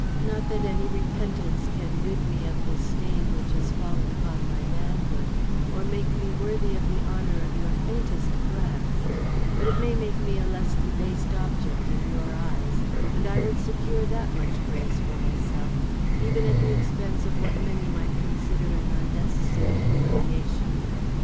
Not that any repentance can rid me of the stain which has fallen upon my manhood, or make me worthy of the honor of your faintest glance; but it may make me a less debased object in your eyes, and I would secure that much grace for myself even at the expense of what many might consider an unnecessary humiliation.